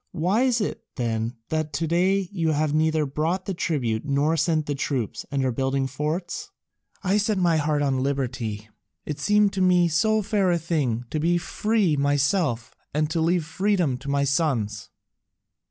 "Why is it, then, that to day you have neither brought the tribute nor sent the troops, and are building forts?" "I set my heart on liberty: it seemed to me so fair a thing to be free myself and to leave freedom to my sons."